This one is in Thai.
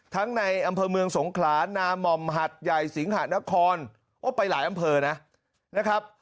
ในอำเภอเมืองสงขลานามอมหัดใหญ่สิงหานครโอ้ไปหลายอำเภอนะนะครับ